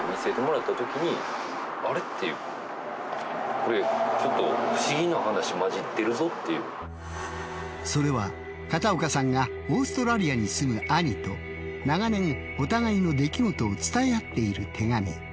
これちょっとそれは片岡さんがオーストラリアに住む兄と長年お互いの出来事を伝え合っている手紙。